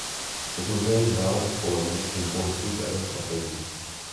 Podruhé ji hráli v poledne v den pohřbu téhož papeže.